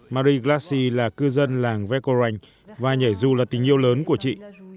marie glassy là cư dân làng vecco ranh và nhảy dù là tình yêu lớn của chị